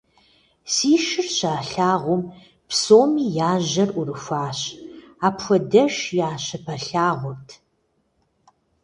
Си шыр щалъагъум, псоми я жьэр Ӏурыхуащ – апхуэдэш я щыпэлъагъут.